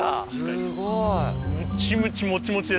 すごい。